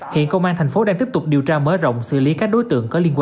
hiện công an thành phố đang tiếp tục điều tra mở rộng xử lý các đối tượng có liên quan